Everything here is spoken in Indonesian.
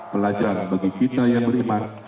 pelajar bagi kita yang beriman